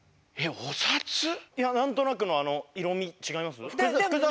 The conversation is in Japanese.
いや何となくのあの色み違います？